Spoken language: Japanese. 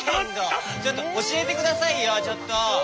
ちょっとおしえてくださいよちょっと。